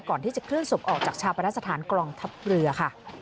ก่อนที่จะเคลื่อนศพออกจากชาปนสถานกองทัพเรือค่ะ